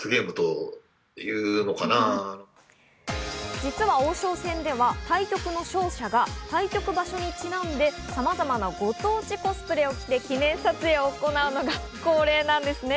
実は王将戦では対局の勝者が対局場所にちなんで、さまざまなご当地コスプレを着て記念撮影を行うのが恒例なんですね。